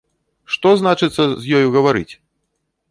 Што, значыцца, з ёю гаварыць!